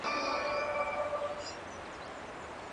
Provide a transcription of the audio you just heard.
wana pointi thelathini na nane hii leo inter milan